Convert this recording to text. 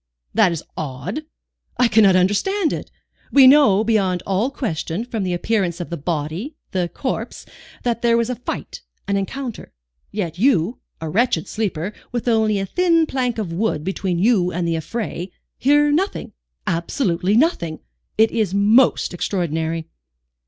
"That is odd. I cannot understand it. We know, beyond all question, from the appearance of the body, the corpse, that there was a fight, an encounter. Yet you, a wretched sleeper, with only a thin plank of wood between you and the affray, hear nothing, absolutely nothing. It is most extraordinary."